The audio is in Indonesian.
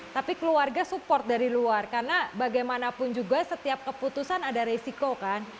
tapi keluarga support dari luar karena bagaimanapun juga setiap keputusan ada resiko kan